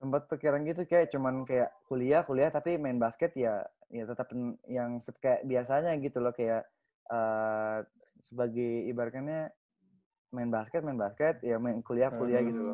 sempat pikiran gitu kayak cuman kayak kuliah kuliah tapi main basket ya tetap yang kayak biasanya gitu loh kayak sebagai ibaratkannya main basket main basket ya main kuliah kuliah gitu